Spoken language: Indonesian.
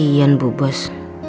kasian bu bos